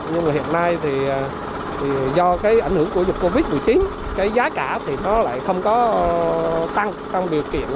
nhưng hiện nay do ảnh hưởng của dịch covid một mươi chín giá cả lại không có tăng trong điều kiện